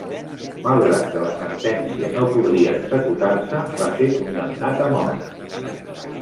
Malgrat que la sentència no podria executar-se, va ser condemnat a mort.